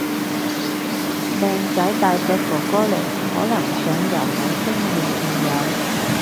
靚仔大隻哥哥嚟，可能想由冇經驗變有